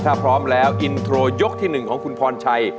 ถ้าพร้อมแล้วอินโทรยกที่๑ของคุณพรชัย